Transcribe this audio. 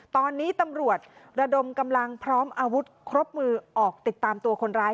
ตอนนี้ตำรวจระดมกำลังพร้อมอาวุธครบมือออกติดตามตัวคนร้าย